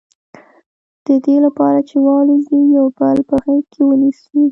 د دې لپاره چې والوزي یو بل په غېږ کې ونیسي.